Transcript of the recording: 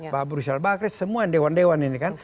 pak brusil bakris semua dewan dewan ini kan